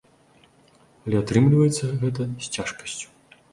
Але атрымліваецца гэта з цяжкасцю.